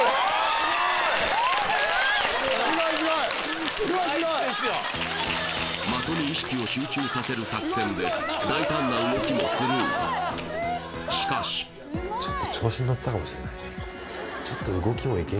・すごいすごい的に意識を集中させる作戦で大胆な動きもスルーしかしよっ